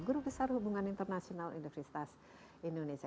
guru besar hubungan internasional industri stas indonesia